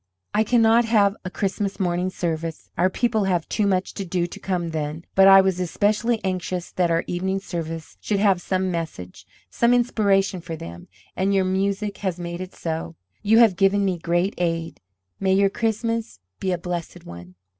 "I cannot have a Christmas morning service our people have too much to do to come then but I was especially anxious that our evening service should have some message, some inspiration for them, and your music has made it so. You have given me great aid. May your Christmas be a blessed one."